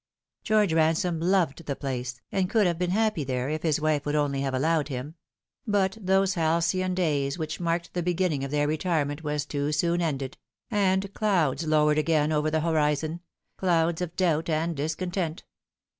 George Ransome loved the place, and could have been happy there if his wife would only have allowed him : but those halcyon days which marked the beginning of their retirement were too soon ended ; and clouds lowered again over the horizon clouds of doubt and discontent.